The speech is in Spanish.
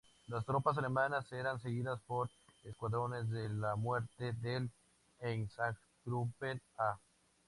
Las tropas alemanas eran seguidas por "Escuadrones de la Muerte del Einsatzgruppen A".